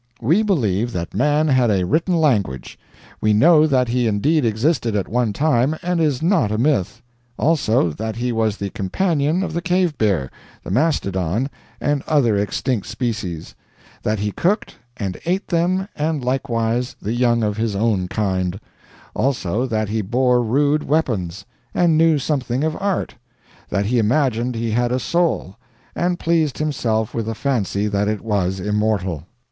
We believe that Man had a written language. We know that he indeed existed at one time, and is not a myth; also, that he was the companion of the cave bear, the mastodon, and other extinct species; that he cooked and ate them and likewise the young of his own kind; also, that he bore rude weapons, and knew something of art; that he imagined he had a soul, and pleased himself with the fancy that it was immortal.